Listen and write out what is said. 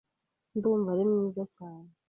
Ndumva ari mwiza cyane. .